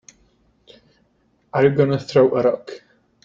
Are you gonna throw a rock?